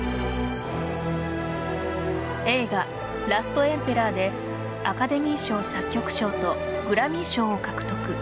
映画「ラストエンペラー」でアカデミー賞作曲賞とグラミー賞を獲得。